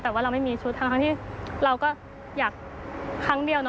แต่ว่าเราไม่มีชุดทั้งที่เราก็อยากครั้งเดียว